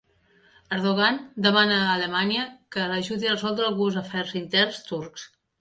Erdogan demana a Alemanya que l'ajudi a resoldre alguns afers interns turcs